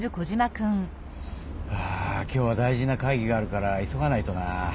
あ今日は大事な会議があるから急がないとな。